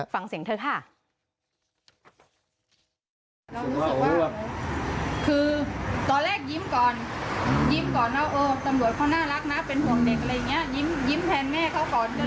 ฟังเสียงเธอค่ะ